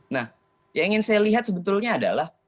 nah yang ingin saya lihat sebetulnya adalah